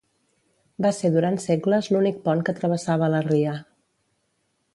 Va ser durant segles l'únic pont que travessava la ria.